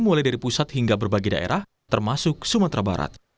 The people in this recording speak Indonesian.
mulai dari pusat hingga berbagai daerah termasuk sumatera barat